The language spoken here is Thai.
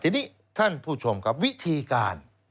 ทีนี้ท่านผู้ชมครับวิธีการ